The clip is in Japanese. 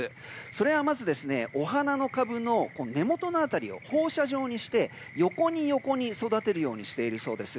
それはまず、お花の株の根元の辺りを放射状にして横に横に育てるようにしているそうです。